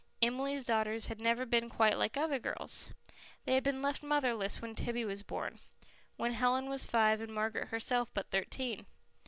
Emily's daughters had never been quite like other girls. They had been left motherless when Tibby was born, when Helen was five and Margaret herself but thirteen.